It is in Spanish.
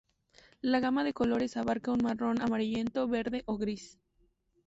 La gama de colores abarca el marrón, amarillento, verde o gris.